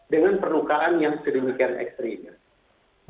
dengan permukaan yang sedemikian ekstrim